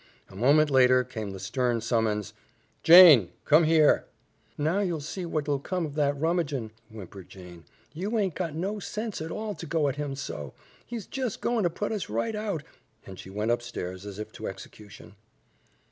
A moment later came the stern summons, "Jane, come here!" "Now you'll see what'll come of that rummagin'," whimpered Jane. "You aint got no sense at all to go at him so. He's jes' goin' to put us right out," and she went upstairs as if to execution.